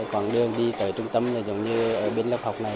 còn đường đi tới trung tâm là giống như ở bên lớp học này